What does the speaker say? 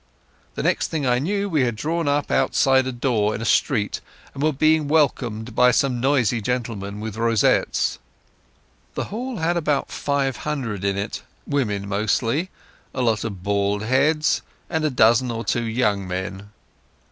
The next thing I knew we had drawn up outside a door in a street, and were being welcomed by some noisy gentlemen with rosettes. The hall had about five hundred in it, women mostly, a lot of bald heads, and a dozen or two young men.